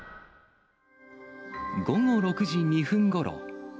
午後６時２分ごろ。